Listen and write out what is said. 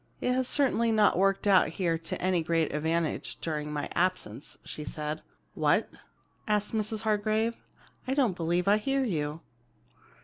"It has certainly not worked out here to any great advantage, during my absence," she said. "What?" asked Mrs. Hargrave. "I don't believe I hear you."